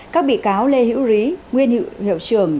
các bị cáo lê hữu rí nguyên hiệu trưởng